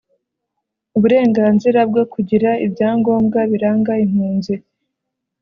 Uburenganzira bwo kugira ibyangombwa biranga impunzi